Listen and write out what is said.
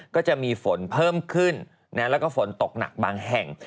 ก็จะมีฝนเพิ่มขึ้นแล้วก็ฝนตกหนักบางแห่ง